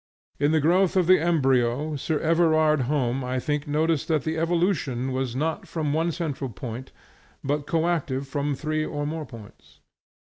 In the growth of the embryo, Sir Everard Home I think noticed that the evolution was not from one central point, but coactive from three or more points.